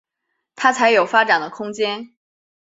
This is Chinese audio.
他才有发展的空间